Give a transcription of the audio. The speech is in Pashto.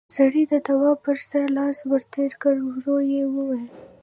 سړي د تواب پر سر لاس ور تېر کړ، ورو يې وويل: